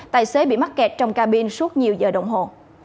tài xế bị mắc kẹt trong cabin suốt nhiều giờ đồng hồ